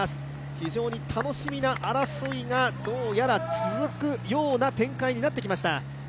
非常に楽しみな争いがどうやら続くような展開になってきました。